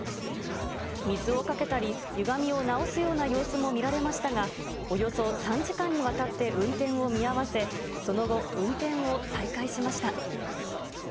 水をかけたり、ゆがみを直すような様子も見られましたが、およそ３時間にわたって運転を見合わせ、その後、運転を再開しました。